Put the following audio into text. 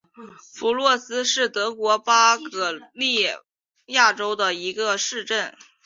弗洛斯是德国巴伐利亚州的一个市镇。